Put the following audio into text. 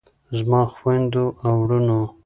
زما خویندو او وروڼو.